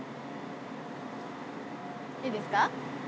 いいですか？